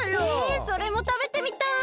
えそれもたべてみたい！